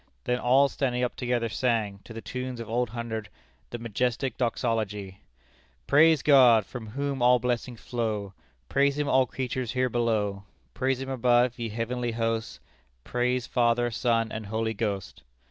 Then all standing up together, sang, to the tune of Old Hundred, the majestic doxology: "Praise God, from whom all blessings flow, Praise Him all creatures here below; Praise Him above, ye heavenly host, Praise Father, Son, and Holy Ghost!"